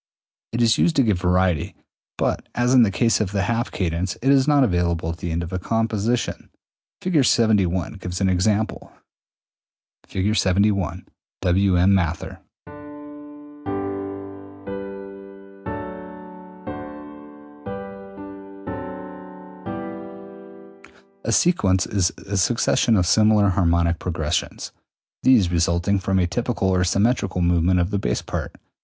It is used to give variety, but as in the case of the half cadence, is not available at the end of a composition. Fig. 71 gives an example. [Illustration: Fig. 71. WM. MATHER] 208. A sequence is a succession of similar harmonic progressions, these resulting from a typical or symmetrical movement of the bass part.